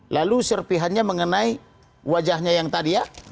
lalu serpihannya mengenai wajahnya yang tadi ya